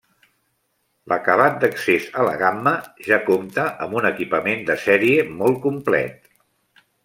L'acabat d'accés a la gamma ja compta amb un equipament de sèrie molt complet.